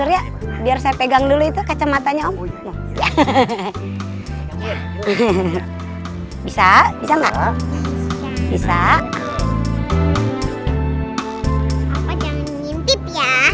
ya biar saya pegang dulu itu kacamatanya om ya hehehe bisa bisa enggak bisa bisa